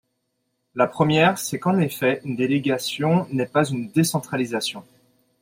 La première, c’est qu’en effet, une délégation n’est pas une décentralisation.